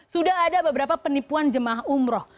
sudah ada beberapa penipuan jemaah umroh